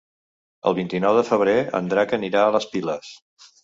El vint-i-nou de febrer en Drac anirà a les Piles.